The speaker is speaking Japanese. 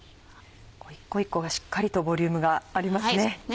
１個１個がしっかりとボリュームがありますね。